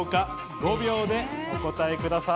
５秒でお答えください。